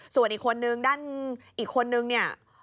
ส่วนอีกคนนึงด้านอีกคนนึงเนี่ย